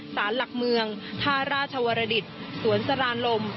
สารหลักเมืองท่าราชวรดิตสวนสรานลม